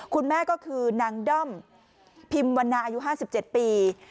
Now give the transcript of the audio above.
คุณแม่ก็คือนางด้อมพิมวันนาอายุ๕๗ปี